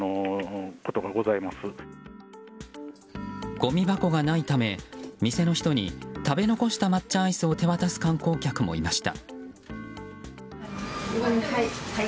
ごみ箱がないため、店の人に食べ残した抹茶アイスを手渡す観光客もいました。